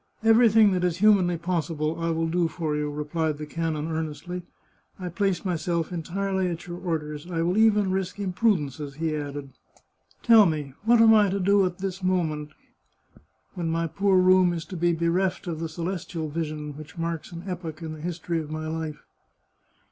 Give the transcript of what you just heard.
" Everything that is humanly possible I will do for you," replied the canon earnestly. " I place myself entirely at your orders. I will even risk imprudences," he added. " Tell me, what am I to do at this moment, when my poor room is to be bereft of the celestial vision which marks an epoch in the history of my life?"